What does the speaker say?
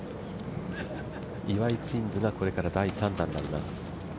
岩井ツインズがこれから第３打になります。